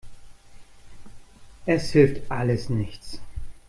Es hilft alles nichts.